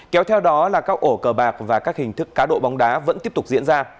kéo theo đó là các ổ cờ bạc và các hình thức cá độ bóng đá vẫn tiếp tục diễn ra